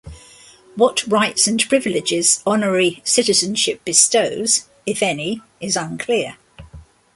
What rights and privileges honorary citizenship bestows, if any, is unclear.